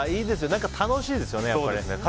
何か楽しいですよね。